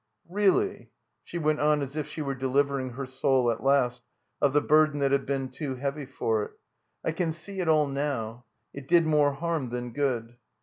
"Reelly" — She went on as if she were delivering her soul at last of the burden that had been too heavy for it — "I can see it all now. It did more harm than good."